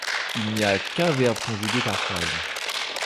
Il n'y a qu'un verbe conjugué par phrase.